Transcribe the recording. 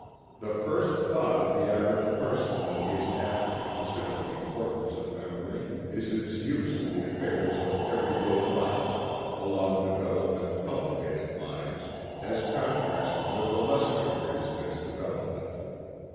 The first thought of the average person when he is asked to consider the importance of memory, is its use in the affairs of every day life, along developed and cultivated lines, as contrasted with the lesser degrees of its development.